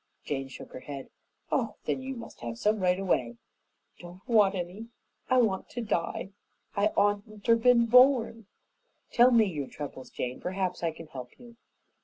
Jane shook her head. "Oh, then you must have some right away." "Don't want any. I want to die. I oughtn' ter been born." "Tell me your troubles, Jane. Perhaps I can help you."